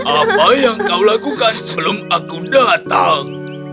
apa yang kau lakukan sebelum aku datang